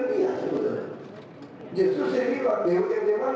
dengan beberapa pembah